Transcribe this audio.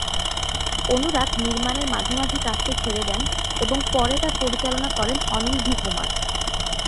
অনুরাগ নির্মাণের মাঝামাঝি কাজটি ছেড়ে দেন এবং পরে তা পরিচালনা করেন অনিল ভি কুমার।